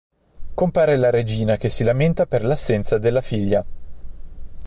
Compare la Regina che si lamenta per l'assenza della figlia.